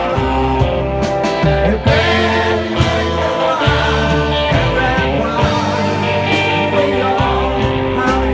ฉันก็เกิดเมื่อเวลาเวลาให้กว่า